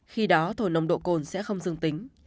khi đó thổi nồng độ cồn sẽ không dừng tính